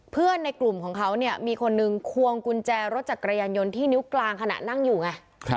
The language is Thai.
ในกลุ่มของเขาเนี่ยมีคนนึงควงกุญแจรถจักรยานยนต์ที่นิ้วกลางขณะนั่งอยู่ไง